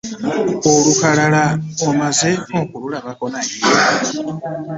Olukalala omaze okululabako naye?